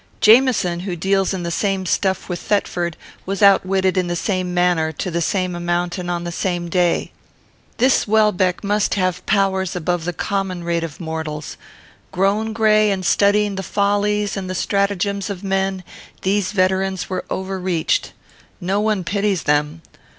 Jamieson, who deals in the same stuff with Thetford, was outwitted in the same manner, to the same amount, and on the same day. "This Welbeck must have powers above the common rate of mortals. Grown gray in studying the follies and the stratagems of men, these veterans were overreached. No one pities them.